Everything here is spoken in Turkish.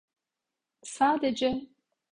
Sadece